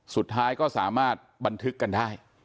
สุดท้ายก็สามารถบันทึกกันได้